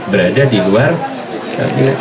berada di luar kabinet